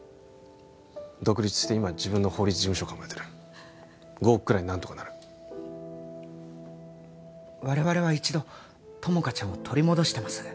独立して今自分の法律事務所を構えてる５億くらい何とかなる我々は一度友果ちゃんを取り戻してます